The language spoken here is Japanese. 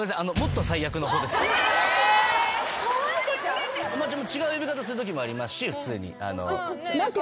でも違う呼び方するときもありますし普通に。